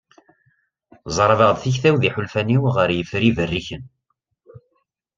Ẓerrbeɣ-d tikta-w d yiḥulfan-iw ɣer yifri berriken.